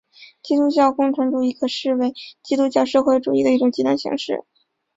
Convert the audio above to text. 基督教共产主义可视为基督教社会主义的一种极端形式。